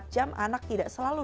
dua puluh empat jam anak tidak selalu